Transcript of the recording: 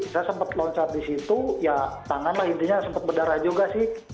saya sempat loncat di situ ya tangan lah intinya sempat berdarah juga sih